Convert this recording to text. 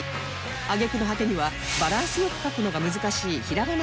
揚げ句の果てにはバランスよく書くのが難しい「ひらがな」